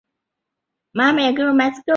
并进入了东京中央陆军幼年学校。